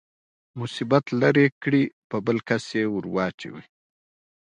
مصیبت لرې کړي په بل کس يې ورواچوي.